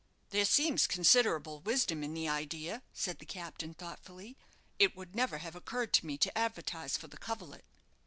"There seems considerable wisdom in the idea," said the captain, thoughtfully. "It would never have occurred to me to advertise for the coverlet."